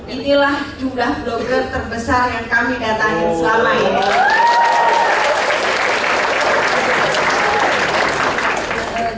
inilah jumlah blogger terbesar yang kami datangin selama ini